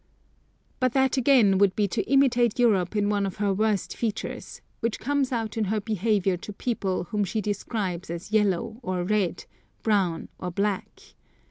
But that again would be to imitate Europe in one of her worst features which comes out in her behaviour to people whom she describes as yellow or red, brown or black.